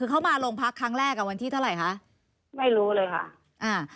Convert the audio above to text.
คือเขามาโรงพักครั้งแรกอ่ะวันที่เท่าไหร่คะไม่รู้เลยค่ะอ่า